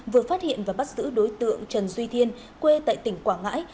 vừa phát hiện và bắt giữ đối tượng trần duy thiên quê tại tỉnh quảng ngãi